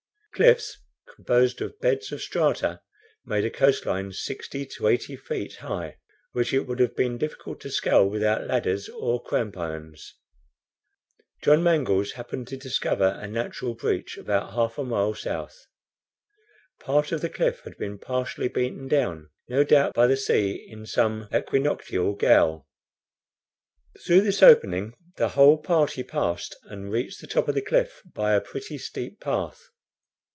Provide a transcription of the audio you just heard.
Cliffs composed of beds of strata made a coast line sixty to eighty feet high, which it would have been difficult to scale without ladders or cramp irons. John Mangles happened to discover a natural breach about half a mile south. Part of the cliff had been partially beaten down, no doubt, by the sea in some equinoctial gale. Through this opening the whole party passed and reached the top of the cliff by a pretty steep path.